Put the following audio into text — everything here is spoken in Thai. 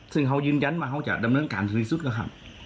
ซึ่งเขายืนยันว่าเขาจะดำเนินการถึงที่สุดนะครับ